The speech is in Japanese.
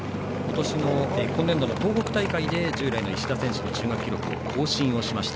今年度の東北大会で従来の選手の中学記録を更新しました。